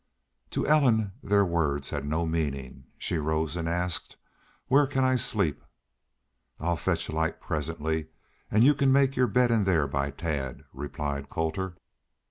To Ellen their words had no meaning. She rose and asked, "Where can I sleep?" "I'll fetch a light presently an' y'u can make your bed in there by Tad," replied Colter.